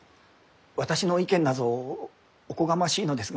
私の意見なぞおこがましいのですが。